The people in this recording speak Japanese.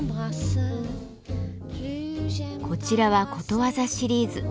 こちらはことわざシリーズ。